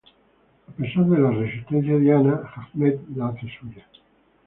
A pesar de la resistencia de Diana, Ahmed la hace suya.